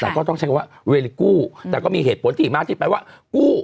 แต่ก็ต้องใช้คำว่าเวลิกู้แต่ก็มีเหตุผลที่มาที่ไปว่ากู้